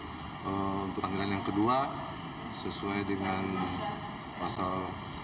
untuk panggilan yang kedua sesuai dengan pasal satu ratus dua belas